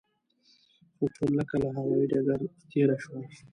خو چورلکه له هوايي ډګر تېره شوه.